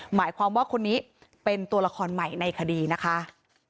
หมายความว่าคนนี้เป็นตัวละครใหม่ในคดีนะคะ